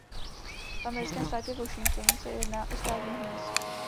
V americkém státě Washington se jedná o státní hmyz.